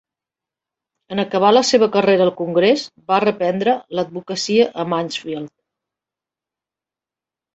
En acabar la seva carrera al Congrés, va reprendre l'advocacia a Mansfield.